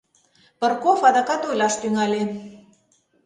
— Пырков адакат ойлаш тӱҥале.